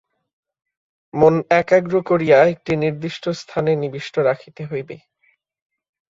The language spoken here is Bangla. মন একাগ্র করিয়া একটি নির্দিষ্ট স্থানে নিবিষ্ট রাখিতে হইবে।